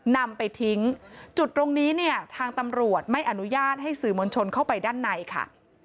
นำไปทิ้งจุดตรงนี้เนี่ยทางตำรวจไม่อนุญาตให้สื่อมวลชนเข้าไปด้านในค่ะ